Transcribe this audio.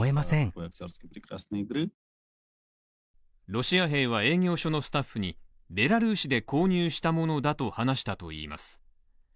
ロシア兵は、営業所のスタッフにベラルーシで購入したものだと話したといいます。